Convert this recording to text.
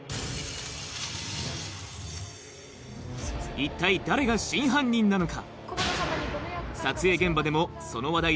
一体誰が真犯人なのか？